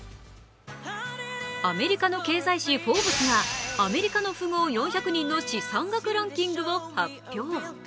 アメリカの経済誌「フォーブス」がアメリカの富豪４００人の資産額ランキングを発表。